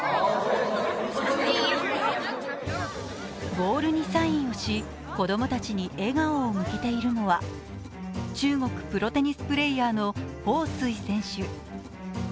ボールにサインをし、子供たちに笑顔を向けているのは中国プロテニスプレーヤーの彭帥選手。